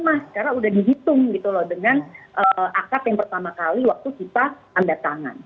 karena sudah dihitung dengan akad yang pertama kali waktu kita datang